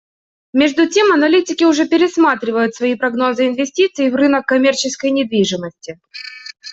Между тем аналитики уже пересматривают свои прогнозы инвестиций в рынок коммерческой недвижимости.